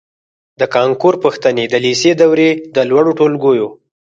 د کانکور پوښتنې د لېسې دورې د لوړو ټولګیو